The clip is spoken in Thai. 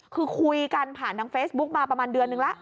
คือคุยกันผ่านทางเฟซบุ๊กมาประมาณเดือนนึงแล้ว